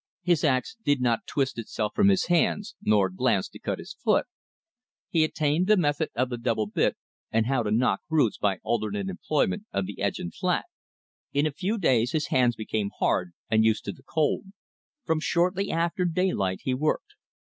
His ax did not twist itself from his hands, nor glance to cut his foot. He attained the method of the double bit, and how to knock roots by alternate employment of the edge and flat. In a few days his hands became hard and used to the cold. From shortly after daylight he worked.